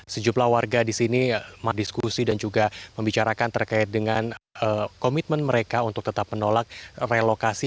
sejumlah warga di sini berdiskusi dan juga membicarakan terkait dengan komitmen mereka untuk tetap menolak relokasi